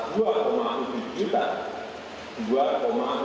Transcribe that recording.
dapat kita dua tujuh juta